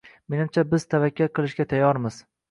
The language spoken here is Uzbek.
Menimcha, biz tavakkal qilishga tayyormiz.